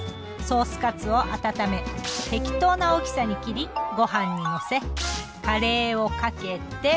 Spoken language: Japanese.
ソースカツを温め適当な大きさに切りご飯にのせカレーをかけて